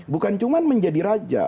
bukan cuma menjadi raja